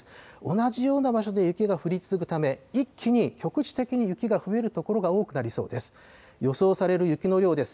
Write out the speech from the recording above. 同じような場所で雪が降り続くため、一気に、局地的に雪が増える所が多くなりそうです。